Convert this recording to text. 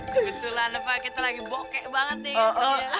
kebetulan apa kita lagi bokeh banget nih